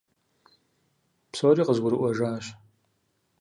Псори къызгурыӀуэжащ.